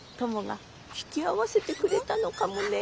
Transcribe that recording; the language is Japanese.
トモが引き合わせてくれたのかもね。